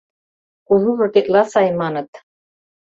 — Кужужо тетла сай! — маныт.